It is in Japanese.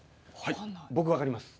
僕分かります。